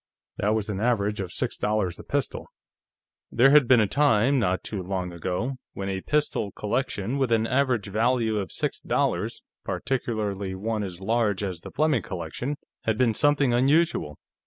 That was an average of six dollars a pistol. There had been a time, not too long ago, when a pistol collection with an average value of six dollars, particularly one as large as the Fleming collection, had been something unusual.